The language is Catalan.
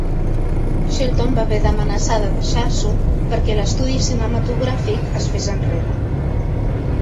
Shelton va haver d'amenaçar de deixar-s'ho perquè l'estudi cinematogràfic es fes enrere.